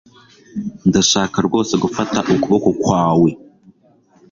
Ndashaka rwose gufata ukuboko kwawe